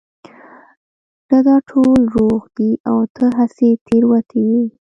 نه دا ټول دروغ دي او ته هسې تېروتي يې